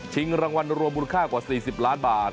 รางวัลรวมมูลค่ากว่า๔๐ล้านบาท